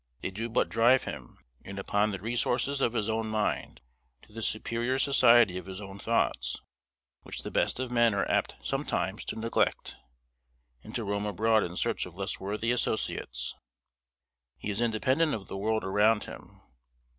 They do but drive him in upon the resources of his own mind, to the superior society of his own thoughts; which the best of men are apt sometimes to neglect, and to roam abroad in search of less worthy associates. He is independent of the world around him.